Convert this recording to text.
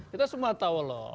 kita semua tahu loh